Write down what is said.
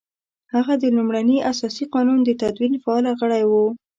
هغه د لومړني اساسي قانون د تدوین فعال غړی وو.